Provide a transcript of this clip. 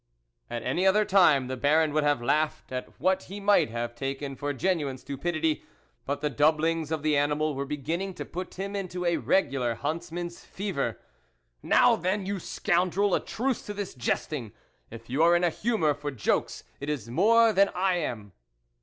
At any other time the Baron would have laughed at what he might have taken for genuine stupidity ; but the doublings of the animal were beginning to put him into a regular huntsman's fever. " Now, then, you scoundrel, a truce to this jesting ! If you are in a humour for jokes, it is more than I am